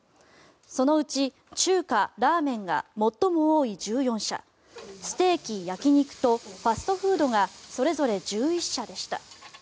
そのうち中華・ラーメンが最も多い１４社ステーキ・焼き肉とファストフードがそれぞれ１１社でした。